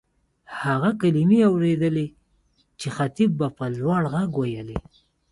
هغه کلیمې اورېدلې چې خطیب به په لوړ غږ وېلې.